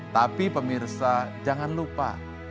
tapi pemirsa jangan lupa